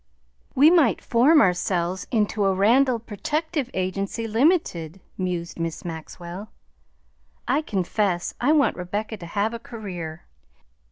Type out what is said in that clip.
"We might form ourselves into a Randall Protective Agency, Limited," mused Miss Maxwell. "I confess I want Rebecca to have a career."